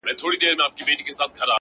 دا غرونه غرونه پـه واوښـتـل؛